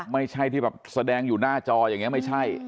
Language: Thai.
ไม่ใช่ที่แบบแสดงอยู่หน้าจออย่างนี้ไม่ใช่